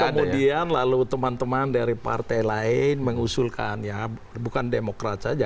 kemudian lalu teman teman dari partai lain mengusulkan ya bukan demokrat saja